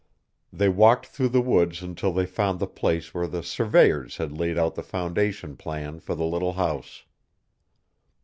They walked through the woods until they found the place where the surveyors had laid out the foundation plan for the little house.